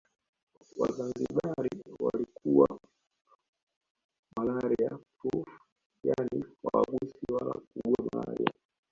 Wazanzibari walikuwa malaria proof yaani hawaguswi wala kuugua malaria